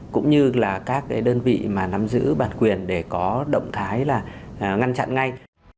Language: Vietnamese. cũng như các đơn vị nắm giữ bản quyền để có động thái ngăn chặn ngay